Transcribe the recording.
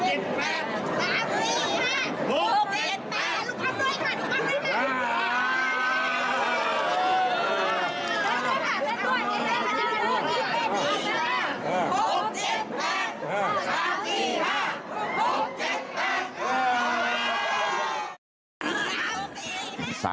อันนี้มันห่าสี่ท้า